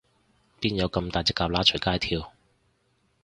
邊有噉大隻蛤乸隨街跳